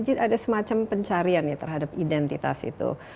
jadi ada semacam pencarian ya terhadap identitas itu